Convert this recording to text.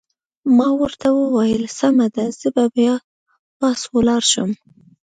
ما ورته وویل: سمه ده، زه به بیا پاس ولاړ شم.